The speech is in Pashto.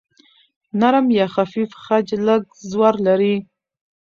نرم یا خفیف خج لږ زور لري.